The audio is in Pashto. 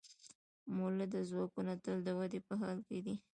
مؤلده ځواکونه تل د ودې په حال کې وي.